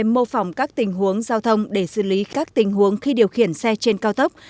mô phỏng các tình huống giao thông để xử lý các tình huống khi điều khiển xe trên cao tốc